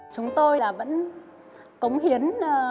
chúng tôi là vẫn cống hiến